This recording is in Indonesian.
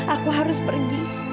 aku harus pergi